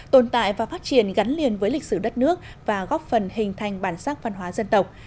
tồn tại và phát triển gắn liền với lịch sử đất nước và góp phần hình thành bản sắc văn hóa dân tộc